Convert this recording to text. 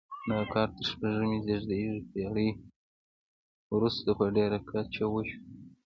دا کار تر شپږمې زېږدیزې پیړۍ وروسته په ډیره کچه وشو.